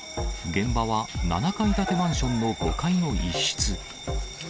現場は７階建てマンションの５階の一室。